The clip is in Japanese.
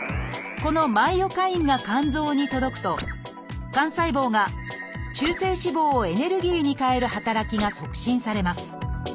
このマイオカインが肝臓に届くと肝細胞が中性脂肪をエネルギーに変える働きが促進されます。